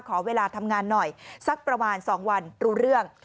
ขอเวลาทำงานหน่อยสักประมาณ๒วันรู้เรื่อง